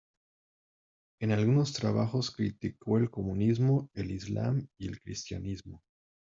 En algunos trabajos criticó el comunismo, el islam y el cristianismo.